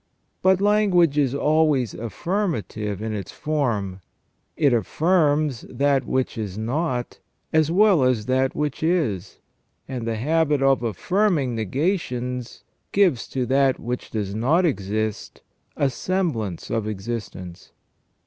But language is always affirmative in its form ; it affirms that which is not as well as that which isy and the habit of affirming negations gives to that which does not exist a semblance of existence.